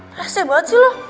rasanya banget sih lo